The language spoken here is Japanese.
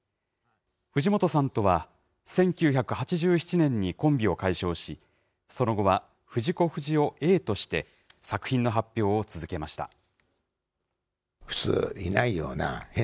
藤本さんとは、１９８７年にコンビを解消し、その後は藤子不二雄Ａとして作品の発表を続けました。